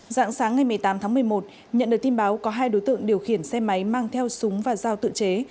dạng sáng ngày một mươi tám tháng một mươi một nhận được tin báo có hai đối tượng điều khiển xe máy mang theo súng và dao tự chế